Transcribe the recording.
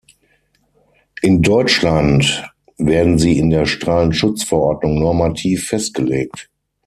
In Deutschland werden sie in der Strahlenschutzverordnung normativ festgelegt.